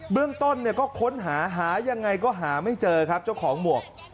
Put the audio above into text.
เรื่องต้นก็ค้นหาหายังไงก็หาไม่เจอครับเจ้าของหมวก